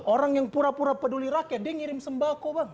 orang yang pura pura peduli rakyat dia ngirim sembako bang